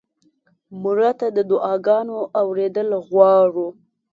مړه ته د دعا ګانو اورېدل غواړو